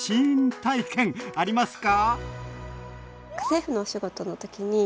体験ありますか？